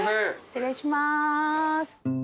失礼します。